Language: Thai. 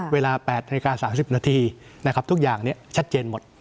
เวลา๘นาฬิกา๓๐นาทีนะครับทุกอย่างชัดเจนหมด